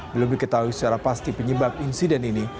belum diketahui secara pasti penyebab insiden ini